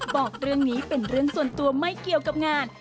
บอกเรื่องนี้เป็นเรื่องส่วนตัวไม่เกี่ยวกับงาน